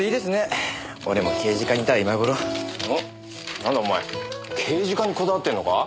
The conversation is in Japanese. なんだお前刑事課にこだわってるのか？